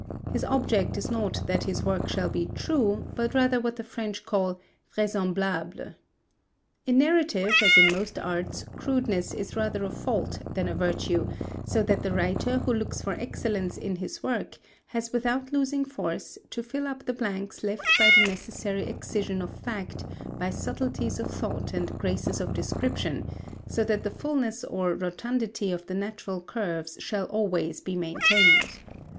His object is not that his work shall be true but rather what the French call vraisemblable. In narrative, as in most arts, crudeness is rather a fault than a virtue, so that the writer who looks for excellence in his work has without losing force, to fill up the blanks left by the necessary excision of fact by subtleties of thought and graces of description, so that the fulness or rotundity of the natural curves shall always be maintained.